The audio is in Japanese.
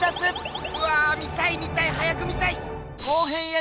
うわぁ見たい見たい！早く見たい！